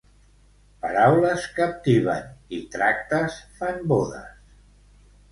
Paraules captiven i tractes fan bodes.